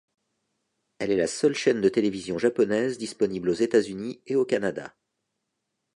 Elle est la seule chaîne de télévision japonaise disponible aux États-Unis et au Canada.